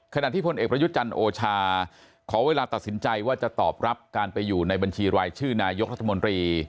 ขณะที่พลเอกประยุทธ์จันทร์โอชาขอเวลาตัดสินใจว่าจะตอบรับการไปอยู่ในบัญชีรายชื่อนายกรัฐมนตรี